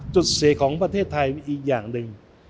จุดเสียของประเทศไทยมีอีกอย่างหนึ่ง